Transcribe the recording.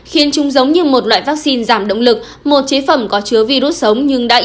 khiến chúng giống như một loại vaccine giảm động lực một chế phẩm có chứa virus sống nhưng đã ý